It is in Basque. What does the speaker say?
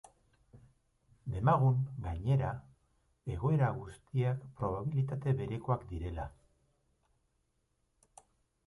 Demagun, gainera, egoera guztiak probabilitate berekoak direla.